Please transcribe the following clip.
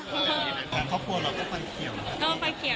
ของครอบครัวเราก็เป็นเขียง